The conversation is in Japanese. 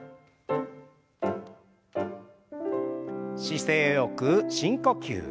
姿勢よく深呼吸。